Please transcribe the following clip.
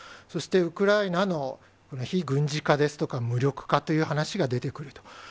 そして、ウクライナの非軍事化ですとか、無力化という話が出てくると。